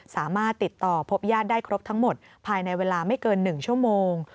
สามารถติดต่อพบญาติได้ครบทั้งหมดภายในเวลาไม่เกิน๑ชั่วโมง